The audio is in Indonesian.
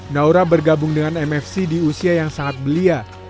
naura bergabung dengan mfc di usia yang sangat belia